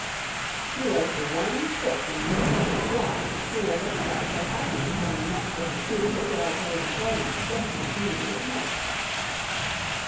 She was the one crook in Miss Eyre's lot, who was otherwise so happy in having met with a suitable well paid employment just when she needed it most.